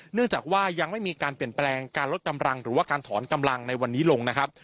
เนื่องจากว่ายังไม่มีการเปลี่ยนแปลงการลดกำลังหรือว่าการถอนกำลังในวันนี้ลงนะครับ